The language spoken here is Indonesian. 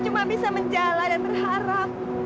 ma'e cuma bisa menjalan dan berharap